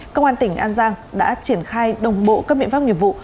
công an tỉnh an giang đã triển khai đồng bộ các biện pháp nghiệp vụ